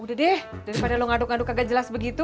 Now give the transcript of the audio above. udah deh daripada lu ngaduk ngaduk kagak jelas begitu